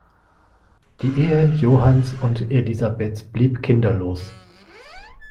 Die Ehe Johanns und Elisabeths blieb kinderlos.